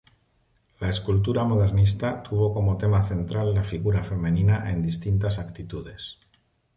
La escultura modernista tuvo como tema central la figura femenina en distintas actitudes.